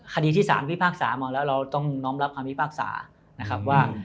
คดีที่สารพิพากษามาแล้วเราต้องน้อมรับคำพิพากษานะครับว่า